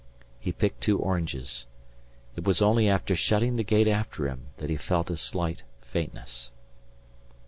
He picked two oranges. It was only after shutting the gate after him that he felt a slight faintness.